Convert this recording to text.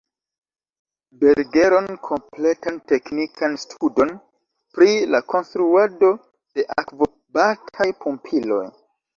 Bergeron kompletan teknikan studon pri la konstruado de akvobataj pumpiloj.